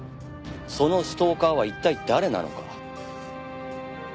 そのストーカーは一体誰なのか？